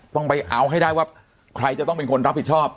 ต้องไปเอาให้ได้ว่าใครจะต้องเป็นคนรับผิดชอบ